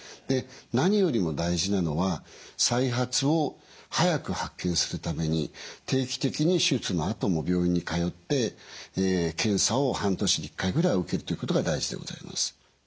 何よりも大事なのは再発を早く発見するために定期的に手術のあとも病院に通って検査を半年に１回ぐらい受けるということが大事でございます。